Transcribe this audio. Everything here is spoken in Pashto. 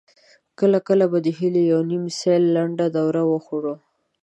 کله کله به د هيليو يوه نيم سېل لنډه دوره وخوړه.